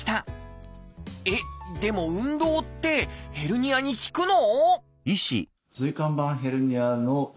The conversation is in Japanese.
でも運動ってヘルニアに効くの？